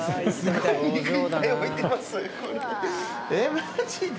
マジで？